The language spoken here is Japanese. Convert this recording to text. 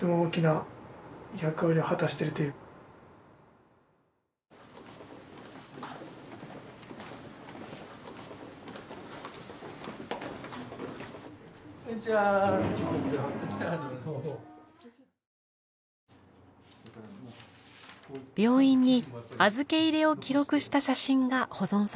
病院に預け入れを記録した写真が保存されていました。